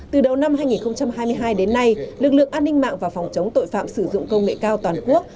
từ đầu năm hai nghìn hai mươi hai đến nay lực lượng an ninh mạng và phòng chống tội phạm sử dụng công nghệ cao toàn quốc